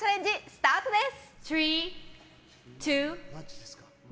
スタートです。